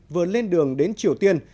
vừa lên đường đến triều tiên